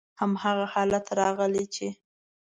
هماغه حالت راغلی چې: